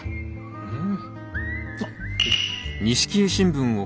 うん。